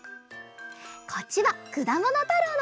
こっちは「くだものたろう」のえ。